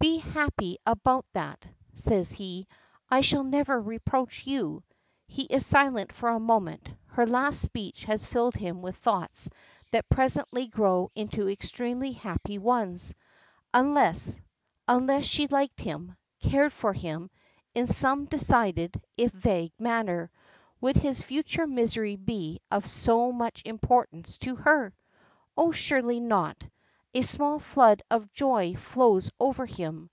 "Be happy about that," says he: "I shall never reproach you." He is silent for a moment; her last speech has filled him with thoughts that presently grow into extremely happy ones: unless unless she liked him cared for him, in some decided, if vague manner, would his future misery be of so much importance to her? Oh! surely not! A small flood of joy flows over him.